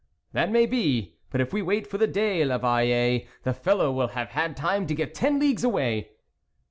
" That may be, but if we wait for the day, 1'Eveille, the fellow will have had time to get ten leagues away."